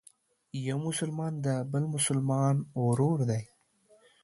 یو مسلمان د بل مسلمان ورور دی.